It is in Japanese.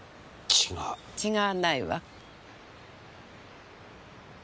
違わないわ。